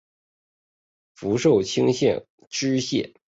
授福清县知县。